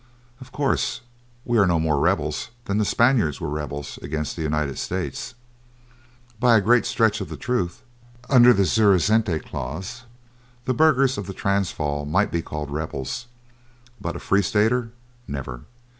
Of course, we are no more rebels than the Spaniards were rebels against the United States. By a great stretch of the truth, under the suzerainty clause, the burghers of the Transvaal might be called rebels, but a Free Stater never!